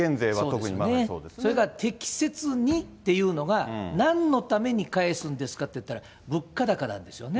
それから、適切にっていうのが、なんのために返すんですかっていったら、物価高なんですよね。